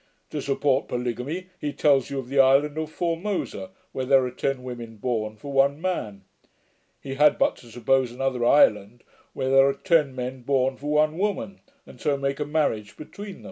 To support polygamy, he tells you of the island of Formosa, where there are ten women born for one man. He had but to suppose another island, where there are ten men born for one woman, and so make a marriage between them.'